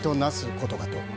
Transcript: ことかと。